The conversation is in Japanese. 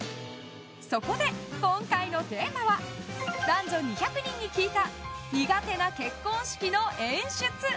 そこで今回のテーマは男女２００人に聞いた苦手な結婚式の演出。